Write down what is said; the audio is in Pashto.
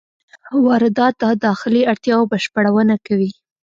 واردات د داخلي اړتیاوو بشپړونه کوي.